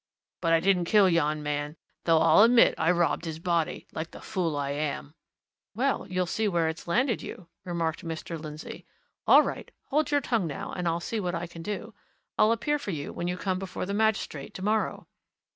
But I didn't kill yon man, though I'll admit I robbed his body like the fool I am!" "Well, you see where it's landed you," remarked Mr. Lindsey. "All right hold your tongue now, and I'll see what I can do. I'll appear for you when you come before the magistrate tomorrow."